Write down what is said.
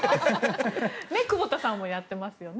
久保田さんもやってますよね。